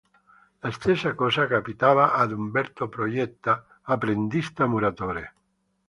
La stessa cosa capitava ad Umberto Proietta apprendista muratore.